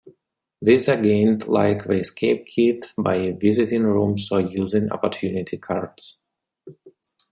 These are gained, like the escape kit, by visiting rooms or using Opportunity Cards.